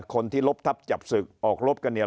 คนที่ลบทับจับศึกออกลบกันเนี่ย